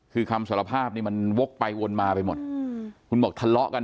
คือคำสารภาพนี่มันวกไปวนมาไปหมดคุณบอกทะเลาะกัน